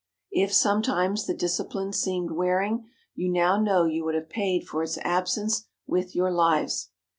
"If sometimes the discipline seemed wearing, you now know you would have paid for its absence with your lives.